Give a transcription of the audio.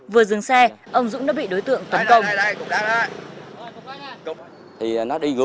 vừa dừng xe ông dũng đã bị đối tượng tấn công